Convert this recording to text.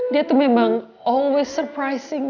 dia tuh memang always surprising